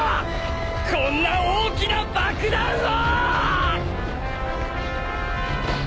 こんな大きな爆弾を！！